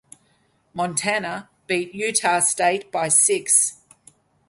Montana beat Utah State by six.